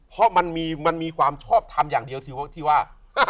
เพราะมันมีความชอบทำอย่างเดียวที่ว่า